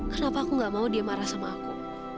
kenapa aku gak mau dia marah sama aku